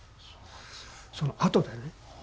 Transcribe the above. そのあとでね。